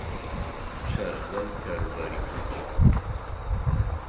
شارەزای کاروباری تورکیا